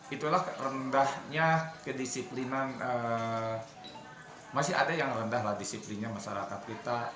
itulah rendahnya kedisiplinan masih ada yang rendah lah disiplinnya masyarakat kita